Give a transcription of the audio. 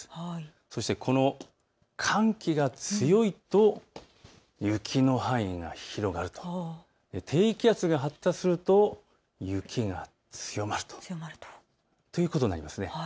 そして、この寒気が強いと雪の範囲が広がると、低気圧が発達すると、雪が強まるということになります。